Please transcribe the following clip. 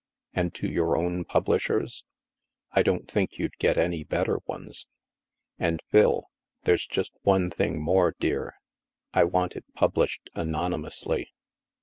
"And to your own publishers?" " I don't think you'd get any better ones. " And, Phil — there's just one thing more, dear ; I want it published anonymously."